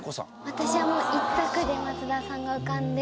私はもう一択で松田さんが浮かんで。